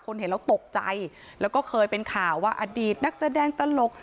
เห็นแล้วตกใจแล้วก็เคยเป็นข่าวว่าอดีตนักแสดงตลก